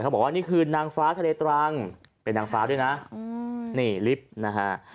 บอกว่านี่คือนางฟ้าทะเลตรังเป็นนางฟ้าด้วยนะนี่ลิฟต์นะฮะ